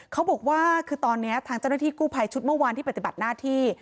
เขาบอกว่าคือตอนนี้ทางเจ้าหน้าที่กู้ภัยชุดเมื่อวานที่ปฏิบัติหน้าที่